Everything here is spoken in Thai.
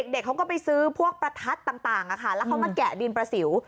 เด็กเขาก็ไปซื้อพวกประทัดต่างแล้วเขามาแกะดินประสิว